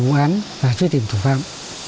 của công an và truy tìm thủ phạm